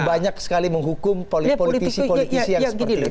banyak sekali menghukum politisi politisi yang seperti itu